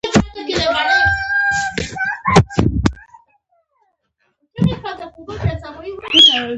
خاوره د افغانستان د فرهنګي فستیوالونو یوه مهمه برخه ده.